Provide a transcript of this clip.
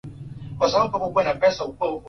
Anatumiana makuta ya mingi